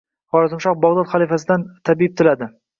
Xorazmshoh Bagʻdod xalifasidan tabibe tiladi